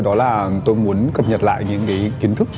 đó là tôi muốn cập nhật lại những cái kiến thức